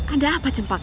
ada apa cempaka